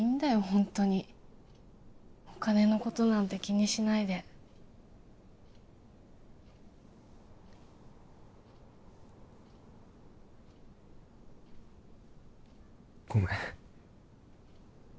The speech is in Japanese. ホントにお金のことなんて気にしないでごめん